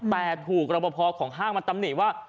แต่ถูกรบพอของห้างมาตำหนิว่า